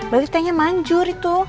berarti tanknya manjur itu